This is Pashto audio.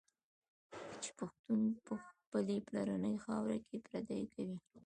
چي پښتون په خپلي پلرنۍ خاوره کي پردی کوي